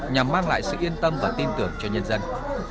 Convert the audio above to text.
nhằm mang lại sự yên tâm và tin tưởng cho nhân dân